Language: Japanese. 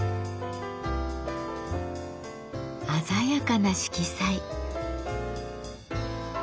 鮮やかな色彩。